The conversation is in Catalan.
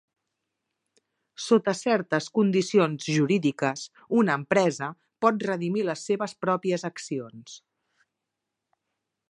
Sota certes condicions jurídiques, una empresa pot redimir les seves pròpies accions.